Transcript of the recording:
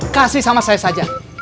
kasih sama saya saja